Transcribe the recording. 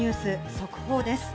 速報です。